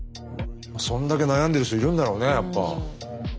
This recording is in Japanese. そんだけ悩んでる人いるんだろうねやっぱ。